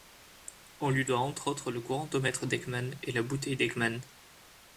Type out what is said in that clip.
On lui doit entre autres le courantomètre d'Ekman et la bouteille d'Ekman.